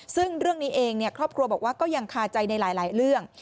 ซึ่งเรื่องนี้เองครอบครัวบอกว่าก็ยังคาใจในหลายเรื่อง